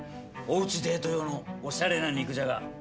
おうちデート用のおしゃれな肉じゃが。